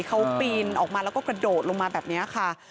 เขาปีนออกมาแล้วก็กระโดดลงมาแบบนี้ค่ะ